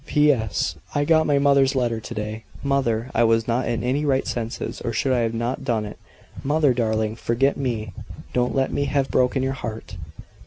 "P.S. I got my mother's letter to day. Mother I was not in my right senses, or I should not have done it. Mother, darling! forget me. Don't let me have broken your heart."